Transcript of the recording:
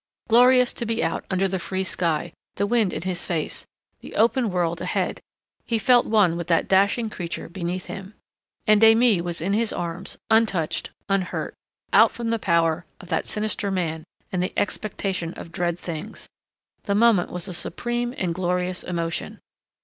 Glorious to be out under the free sky, the wind in his face, the open world ahead! He felt one with that dashing creature beneath him. And Aimée was in his arms, untouched, unhurt, out from the power of that sinister man and the expectation of dread things. The moment was a supreme and glorious emotion.